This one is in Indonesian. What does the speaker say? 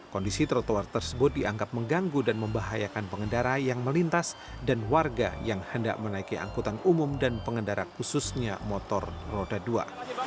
kondisi trotoar tersebut dianggap mengganggu dan membahayakan pengendara yang melintas dan warga yang hendak menaiki angkutan umum dan pengendara khususnya motor roda dua